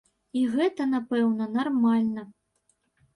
І гэта, напэўна, нармальна.